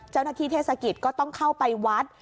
เจ้านักฏิเทศกิจก็ต้องเข้าไปวัด